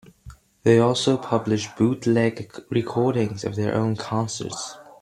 They also publish bootleg recordings of their own concerts.